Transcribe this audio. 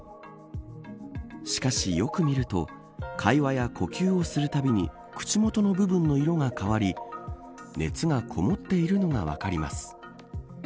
しかし、よく見ると会話や呼吸をするたびに口元の部分の色が変わり熱がこもっているのが分かります。